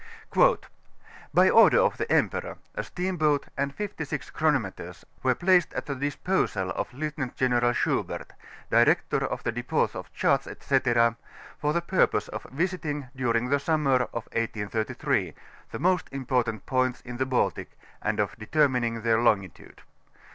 ^ By order of the Emperor, a steam boat and fifty six chronmneters, were placed at the disposal of Lieutenant General Schubert, Director of the Dejpdts of Charts, &c., ibr the purpose of yisitin^, during the summer of 1833, the most miportant points in the Baltic, and of detemuning their longitude.